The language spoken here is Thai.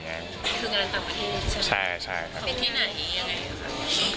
คือการต่อประเทศใช่มั้ยคุณไปที่ไหนอย่างไรนะคะ